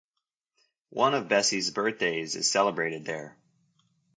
One of Bessie's birthdays is celebrated there.